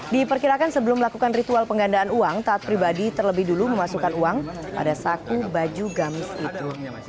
diperkirakan sebelum melakukan ritual penggandaan uang taat pribadi terlebih dulu memasukkan uang pada saku baju gamis itu